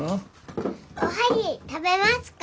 おはぎ食べますか？